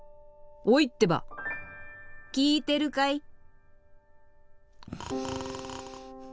おいってば聞いてるかい？